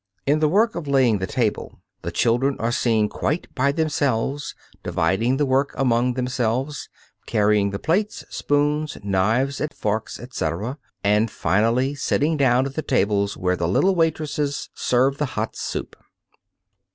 In the work of laying the table the children are seen quite by themselves, dividing the work among themselves, carrying the plates, spoons, knives and forks, etc., and, finally, sitting down at the tables where the little waitresses serve the hot soup.